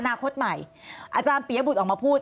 นาคตใหม่อาจารย์ปียบุตรออกมาพูด